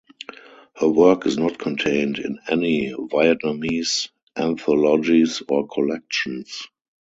Her work is not contained in any Vietnamese anthologies or collections.